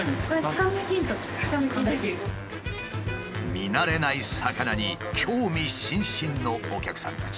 見慣れない魚に興味津々のお客さんたち。